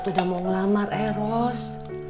udah mau ngelamar eros